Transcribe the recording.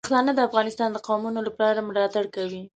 پښتانه د افغانستان د قومونو لپاره ملاتړ کوي.